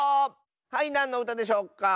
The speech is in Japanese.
はいなんのうたでしょうか？